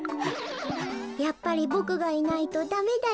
「やっぱりボクがいないとダメだよね」